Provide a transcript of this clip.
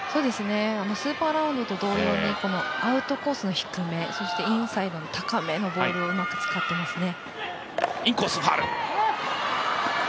スーパーラウンドと同様にアウトコースの低めそしてインサイドの高めのボールをうまく使ってますね。